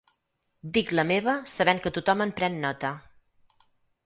Dic la meva sabent que tothom en pren nota.